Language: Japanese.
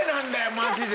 マジで！